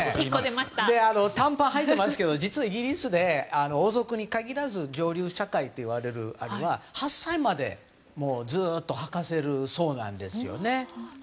短パンはいていますがイギリスで王族に限らず上流社会といわれるのは８歳までずっとはかせるそうなんですね。